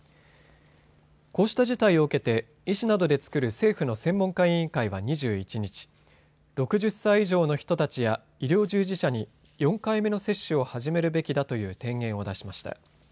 こうした事態を受けて医師などで作る政府の専門家委員会は２１日、６０歳以上の人たちや医療従事者に４回目の接種を始めるべきだという提言を出しました。